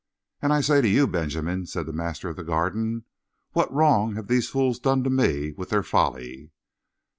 "And I say to you, Benjamin," said the master of the Garden: "what wrong have these fools done to me with their folly?"